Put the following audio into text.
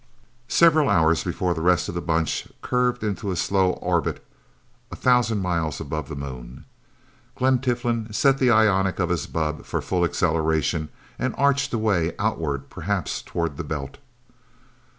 Several hours before the rest of the Bunch curved into a slow orbit a thousand miles above the Moon, Glen Tiflin set the ionic of his bubb for full acceleration, and arced away, outward, perhaps toward the Belt.